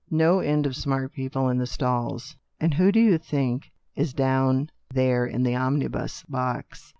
No end of smart people in the stalls. And who do you think is down there in the omni bus box